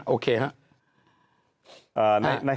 โอเคครับ